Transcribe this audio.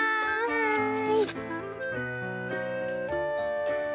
はい！